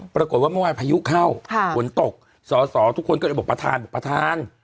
เมื่อวานพายุเข้าฝนตกสอสอทุกคนก็เลยบอกประธานบอกประธาน